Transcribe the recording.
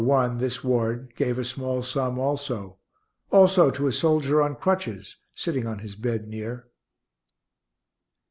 1, this ward, gave a small sum also; also to a soldier on crutches, sitting on his bed near.